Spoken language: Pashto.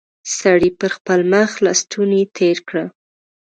سړي پر خپل مخ لستوڼی تېر کړ.